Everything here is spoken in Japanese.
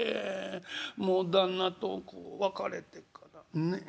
もう旦那とこう別れてからねえ」。